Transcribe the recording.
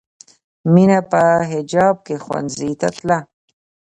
مینه په حجاب کې ښوونځي ته تله